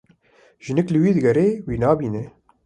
Jinik li wî digere wî nabîne.